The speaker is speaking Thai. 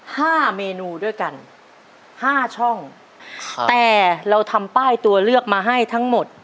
ห้าเมนูด้วยกันห้าช่องค่ะแต่เราทำป้ายตัวเลือกมาให้ทั้งหมด